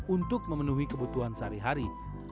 untuk memenuhi kebutuhan sehari hari